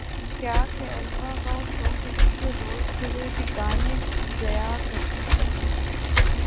کیا کے الوا وو شو کے دیگر رولز کے لیے بھی گانے گیا کرتی پتلی